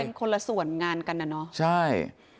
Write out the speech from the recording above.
เป็นคนละส่วนงานกันนะเนาะใช่